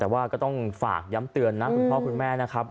แต่ว่าก็ต้องฝากย้ำเตือนนะคุณพ่อคุณแม่นะครับ